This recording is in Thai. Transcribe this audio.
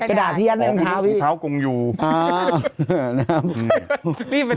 กระดาษที่ยัดในท้าวนั่นจะจับดูใช่ไหมถุงเท้าหรือเปล่า